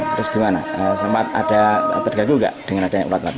terus gimana sempat ada tergaguh gak dengan ulat ulat ini